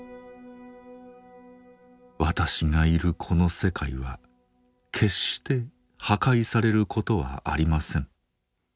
私がいるこの世界は決して破壊されることはありません。